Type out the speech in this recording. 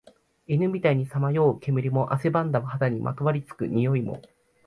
犬みたいにさまよう煙も、汗ばんだ肌にまとわり付く臭いも、